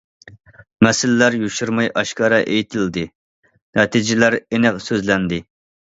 مەسىلىلەر يوشۇرماي ئاشكارا ئېيتىلدى، نەتىجىلەر ئېنىق سۆزلەندى.